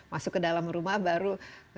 masuk ke dalam rumah baru